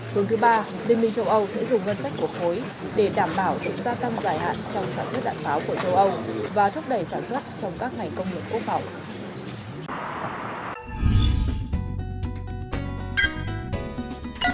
hướng thứ ba liên minh châu âu sẽ dùng ngân sách của khối để đảm bảo sự gia tăng dài hạn trong sản xuất đạn pháo của châu âu và thúc đẩy sản xuất trong các ngành công nghiệp quốc phòng